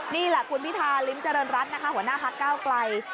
นี่แหละคุณพิธาริมเจริญรัฐนะคะหัวหน้าพักเก้าไกล